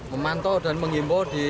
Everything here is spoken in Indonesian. memantau dan mengimpo